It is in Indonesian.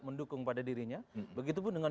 mendukung pada dirinya begitu pun dengan